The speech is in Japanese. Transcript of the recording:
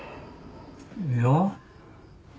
いや。